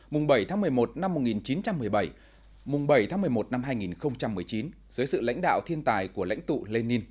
mùng bảy tháng một mươi một năm một nghìn chín trăm một mươi bảy mùng bảy bảy tháng một mươi một năm hai nghìn một mươi chín dưới sự lãnh đạo thiên tài của lãnh tụ lenin